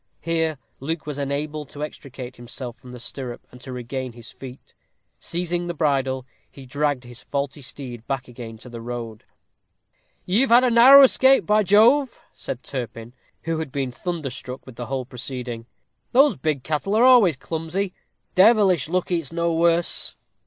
Here Luke was enabled to extricate himself from the stirrup and to regain his feet; seizing the bridle, he dragged his faulty steed back again to the road. "You have had a narrow escape, by Jove," said Turpin, who had been thunderstruck with the whole proceeding. "Those big cattle are always clumsy; devilish lucky it's no worse."